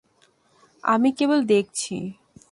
আমি কেবল দেখছি।